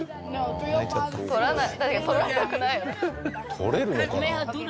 取れるのかな？